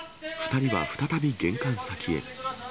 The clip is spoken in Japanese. ２人は再び玄関先へ。